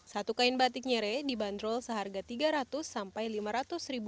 satu kain batik nyere dibanderol seharga rp tiga ratus sampai rp lima ratus